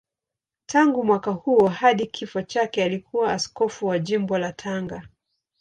Tangu mwaka huo hadi kifo chake alikuwa askofu wa Jimbo la Tanga.